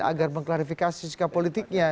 agar mengklarifikasi sikap politiknya